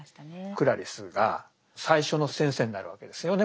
クラリスが最初の「先生」になるわけですよね